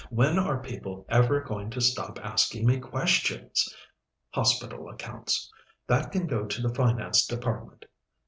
When are people ever going to stop asking me questions? Hospital accounts that can go to the Finance Department....